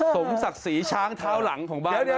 สมศักดิ์ศรีช้างเท้าหลังของบ้าน